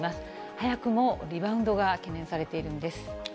早くもリバウンドが懸念されているんです。